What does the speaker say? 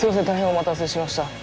大変お待たせしました。